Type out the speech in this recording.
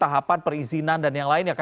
ada sebuah penting penting yang dihubungkan